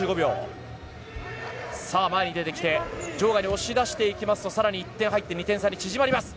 前に出てきて場外に押し出していきますと更に１点入って２点差に縮まります。